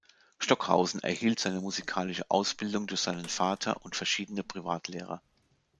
Stockhausen erhielt seine musikalische Ausbildung durch seinen Vater und verschiedene Privatlehrer.